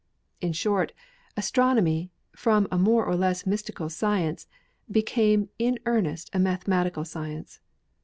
In short, astronomy, from a more or less mystical science became in earnest a mathematical science.